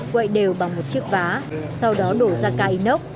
quậy đều bằng một chiếc vá sau đó đổ ra cài nốc